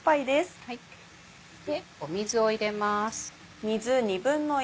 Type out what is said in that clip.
水を入れます。